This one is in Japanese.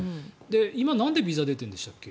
今、なんでビザが出てるんでしたっけ？